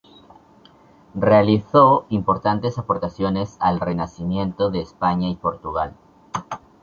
Realizó importantes aportaciones al Renacimiento de España y Portugal.